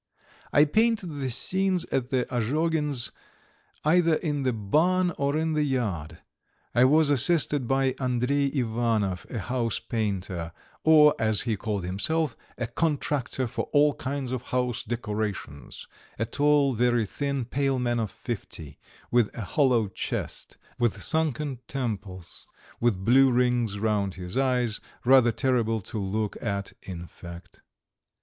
I painted the scenes at the Azhogins' either in the barn or in the yard. I was assisted by Andrey Ivanov, a house painter, or, as he called himself, a contractor for all kinds of house decorations, a tall, very thin, pale man of fifty, with a hollow chest, with sunken temples, with blue rings round his eyes, rather terrible to look at in fact.